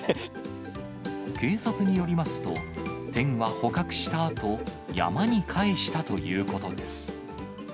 警察によりますと、テンは捕獲したあと、山に帰したということです。